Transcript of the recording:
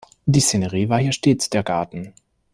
Die Szenerie hier war stets der Garten.